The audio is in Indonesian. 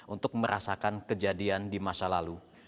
untuk merasakan kejadian di masa lalu